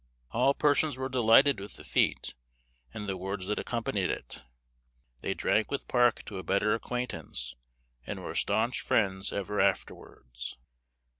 All persons were delighted with the feat, and the words that accompanied it. They drank with Park to a better acquaintance, and were staunch friends ever afterwards.